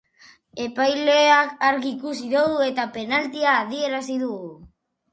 Epaileak argi ikusi eta penaltia adierazi du.